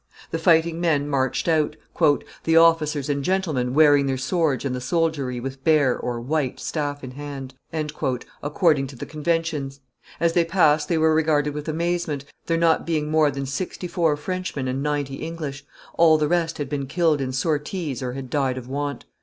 The fighting men marched out, "the officers and gentlemen wearing their swords and the soldiery with bare (white) staff in hand," according to the conventions; as they passed they were regarded with amazement, there not being more than sixty four Frenchmen and ninety English: all the rest had been killed in sorties or had died of want.